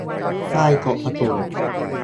ใต้โต๊ะประชุม